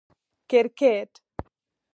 🏏 کرکټ